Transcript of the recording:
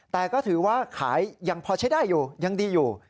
แต่ก็ถือว่าขายยังพอใช้ได้อยู่ยังดีอยู่